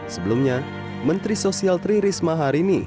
sebelumnya menteri sosial tri risma hari ini